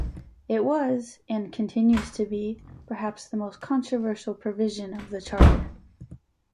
It was, and continues to be, perhaps the most controversial provision of the Charter.